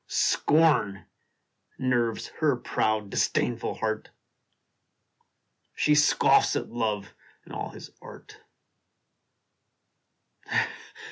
Scorn nerves her proud, disdainful heart ! She scoffs at Love and all his art